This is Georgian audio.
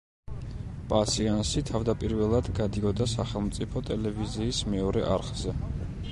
პა სეანსი თავდაპირველად გადიოდა სახელმწიფო ტელევიზიის მეორე არხზე.